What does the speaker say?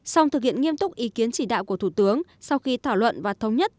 song thực hiện nghiêm túc ý kiến chỉ đạo của thủ tướng sau khi thảo luận và thống nhất